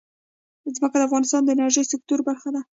ځمکه د افغانستان د انرژۍ سکتور برخه ده.